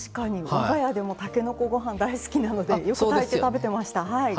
我が家でもたけのこごはん大好きなのでよく炊いて食べてましたはい。